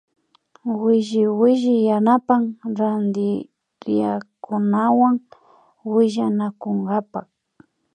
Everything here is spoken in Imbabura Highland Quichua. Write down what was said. Williwilli yanapan rantiriakkunawan willanakunkapa